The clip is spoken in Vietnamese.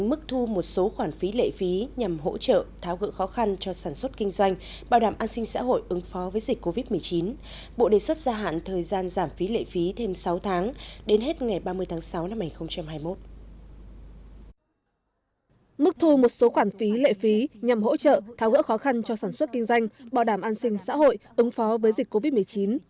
mức thu một số khoản phí lệ phí nhằm hỗ trợ tháo gỡ khó khăn cho sản xuất kinh doanh bảo đảm an sinh xã hội ứng phó với dịch covid một mươi chín